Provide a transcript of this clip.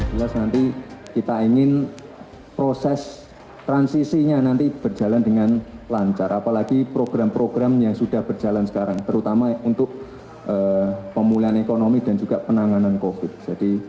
jelas nanti kita ingin proses transisinya nanti berjalan dengan lancar apalagi program program yang sudah berjalan sekarang terutama untuk pemulihan ekonomi dan juga penanganan covid